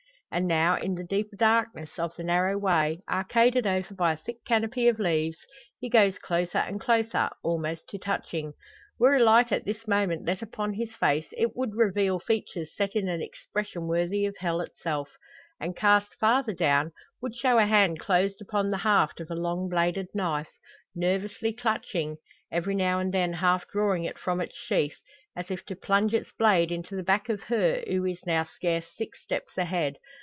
And now, in the deeper darkness of the narrow way, arcaded over by a thick canopy of leaves, he goes closer and closer, almost to touching. Were a light at this moment let upon his face, it would reveal features set in an expression worthy of hell itself; and cast farther down, would show a hand closed upon the haft of a long bladed knife nervously clutching every now and then half drawing it from its sheath, as if to plunge its blade into the back of her who is now scarce six steps ahead!